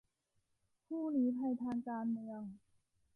ผู้ลี้ภัยทางการเมือง